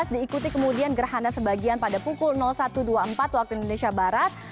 diikuti kemudian gerhana sebagian pada pukul satu dua puluh empat waktu indonesia barat